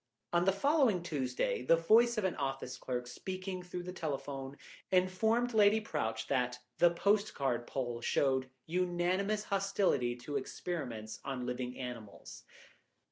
On the following Tuesday the voice of an office clerk, speaking through the telephone, informed Lady Prowche that the postcard poll showed unanimous hostility to experiments on living animals.